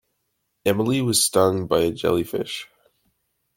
Emily was stung by a jellyfish.